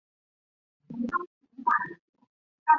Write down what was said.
乡试考官则是由翰林及进士出身的官员临时担任。